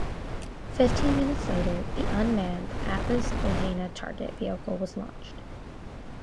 Fifteen minutes later, the unmanned Atlas-Agena target vehicle was launched.